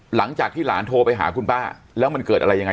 หลังจากที่หลานโทรไปหาคุณป้าแล้วมันเกิดอะไรยังไง